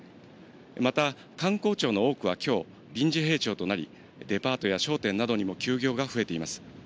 また官公庁の多くはきょう、臨時閉庁となり、デパートや商店などにも休業が増えています。